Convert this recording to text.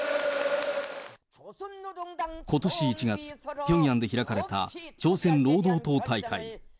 ことし１月、ピョンヤンで開かれた朝鮮労働党大会。